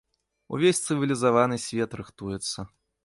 Увесь цывілізаваны свет рыхтуецца.